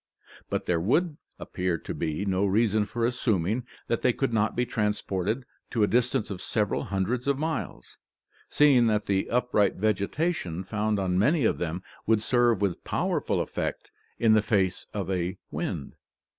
But there would appear to be no reason for assuming that they could not be transported to a distance of several hundreds of miles, seeing that the upright vegetation found on many of them would serve with powerful effect in the face of a wind.